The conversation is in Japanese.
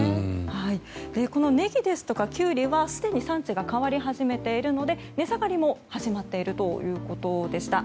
このネギとかキュウリはすでに産地が変わり始めているので値下がりも始まっているということでした。